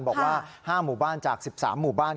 บอกว่า๕หมู่บ้านจาก๑๓หมู่บ้าน